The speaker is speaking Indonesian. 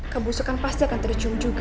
kebusukan pasti akan tercium juga